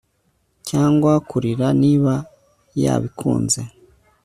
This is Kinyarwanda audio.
cyangwa kurira niba yabikunze